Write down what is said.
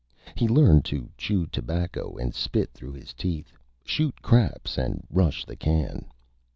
He learned to Chew Tobacco and Spit through his Teeth, shoot Craps and Rush the Can.